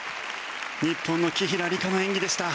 日本の紀平梨花の演技でした。